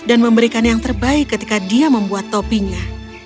dan memberikan yang terbaik ketika dia membuat topinya